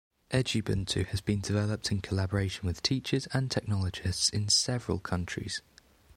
Edubuntu has been developed in collaboration with teachers and technologists in several countries.